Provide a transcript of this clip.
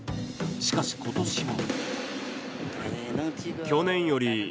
しかし、今年は。